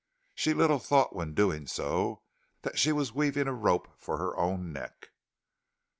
She little thought when doing so that she was weaving a rope for her own neck.